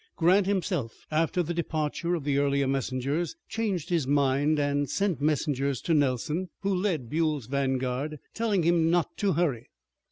Grant himself, after the departure of the earlier messengers, changed his mind and sent messengers to Nelson, who led Buell's vanguard, telling him not to hurry.